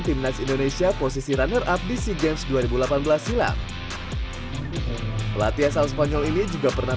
timnas indonesia posisi runner up di siege dua ribu delapan belas silam latihan spanyol ini juga pernah